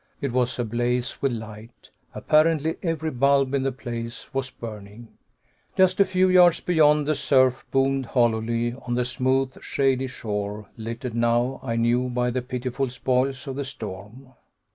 It was ablaze with light. Apparently every bulb in the place was burning. Just a few yards beyond the surf boomed hollowly on the smooth, shady shore, littered now, I knew, by the pitiful spoils of the storm.